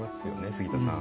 杉田さん。